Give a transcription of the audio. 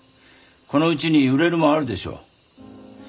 このうちに売れるものあるでしょ？